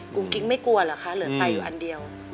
กิ๊กไม่กลัวเหรอคะเหลือไตอยู่อันเดียว